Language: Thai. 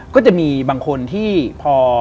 ก็จะมีบางคนที่พอ